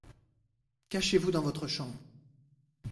Cachez-vous dans votre chambre.